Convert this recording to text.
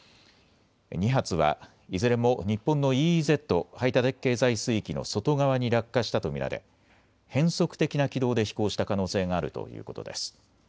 ２発はいずれも日本のＥＥＺ・排他的経済水域の外側に落下したと見られ変則的な軌道で飛行した可能性があるということです。